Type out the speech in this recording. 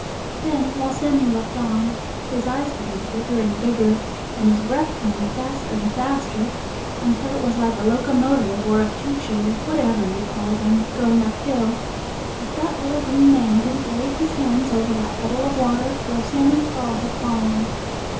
Then while Sammie looked on, his eyes getting bigger and bigger and his breath coming faster and faster, until it was like a locomotive or a choo choo, whatever you call them, going up hill, if that little green man didn't wave his hands over that puddle of water, where Sammie's ball had fallen.